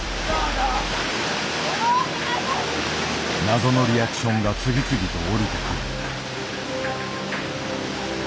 謎のリアクションが次々と降りてくる。